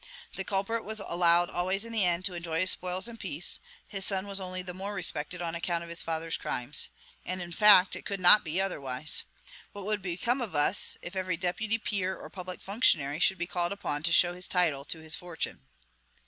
The culprit was allowed always in the end to enjoy his spoils in peace; his son was only the more respected on account of his father's crimes. And, in fact, it could not be otherwise. What would become of us, if every deputy, peer, or public functionary should be called upon to show his title to his fortune!